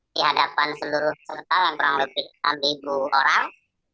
dihadapan seluruh sementara yang kurang lebih seribu orang